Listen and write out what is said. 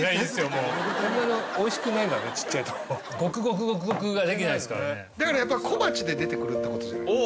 もうおいしくないんだねちっちゃいとゴクゴクゴクゴクができないですからねだからやっぱ小鉢で出てくるってことじゃない？